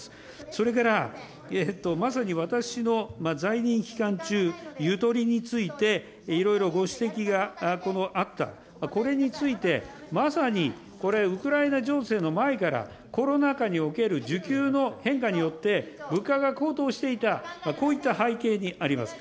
それから、まさに私の在任期間中、ゆとりについていろいろご指摘があった、これについてまさにこれ、ウクライナ情勢の前から、コロナ禍における需給の変化によって物価が高騰していた、こういった背景にあります。